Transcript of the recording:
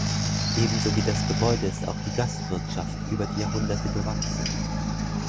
Ebenso wie das Gebäude ist auch die Gastwirtschaft über die Jahrhunderte gewachsen.